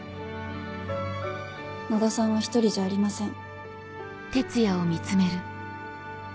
野田さんは１人じゃありません。